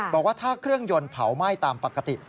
บอกว่าถ้าเครื่องยนต์เผาไหม้ตามปกติ